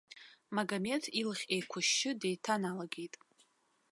Магомеҭ илахь еиқәышьшьы деиҭаналагеит.